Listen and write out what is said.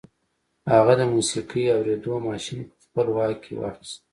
هغه د موسیقي اورېدو ماشين په خپل واک کې واخیست